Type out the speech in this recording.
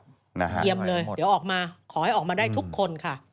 เยี่ยมเลยเดี๋ยวออกมาขอให้ออกมาได้ทุกคนค่ะ